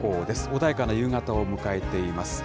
穏やかな夕方を迎えています。